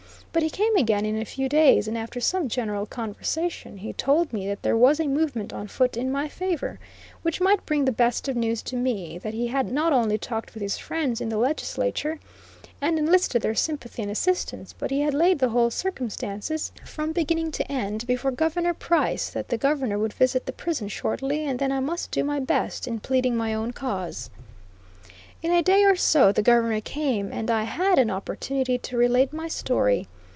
But he came again in a few days, and after some general conversation, he told me that there was a movement on foot in my favor, which might bring the best of news to me; that he had not only talked with his friends in the legislature, and enlisted their sympathy and assistance, but he had laid the whole circumstances, from beginning to end, before Governor Price; that the Governor would visit the prison shortly, and then I must do my best in pleading my own cause. In a day or two the Governor came, and I had an opportunity to relate my story.